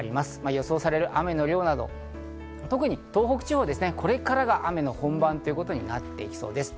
予想される雨の量は特に東北地方、これからが雨の本番となっていきそうです。